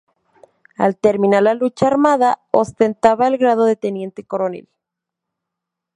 Al terminar la lucha armada, ostentaba el grado de teniente coronel.